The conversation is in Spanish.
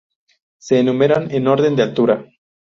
Se enumeran en orden de altura.